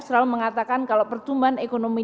selalu mengatakan kalau pertumbuhan ekonomi